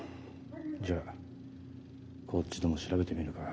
じゃこっちでも調べてみるか。